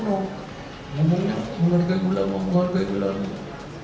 ngomongnya menghargai ulama menghargai ulama